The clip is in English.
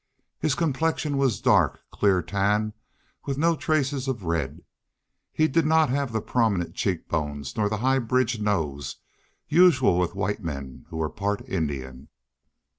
His complexion was dark, clear tan, with no trace of red. He did not have the prominent cheek bones nor the high bridged nose usual with white men who were part Indian.